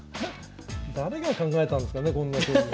誰が考えたんすかねこんな将棋。